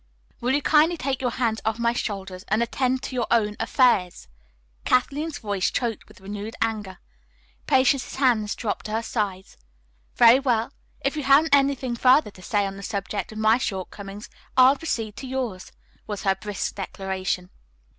"Will you kindly take your hands off my shoulders and attend to your own affairs?" Kathleen's voice choked with renewed anger. Patience's hands dropped to her sides. "Very well. If you haven't anything further to say on the subject of my short comings, I'll proceed to yours," was her brisk declaration.